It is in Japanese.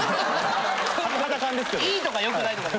良いとか良くないとか。